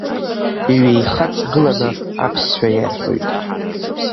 Иҩеихаҵгыланы аԥсшәа иарҳәоит.